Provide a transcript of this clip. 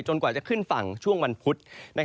กว่าจะขึ้นฝั่งช่วงวันพุธ